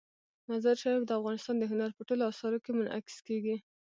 مزارشریف د افغانستان د هنر په ټولو اثارو کې منعکس کېږي.